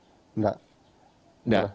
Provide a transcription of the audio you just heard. tadi disuntik sakit